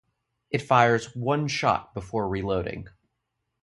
It fires one shot before reloading.